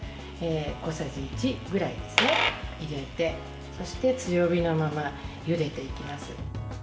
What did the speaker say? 小さじ１ぐらいですね、入れてそして、強火のままゆでていきます。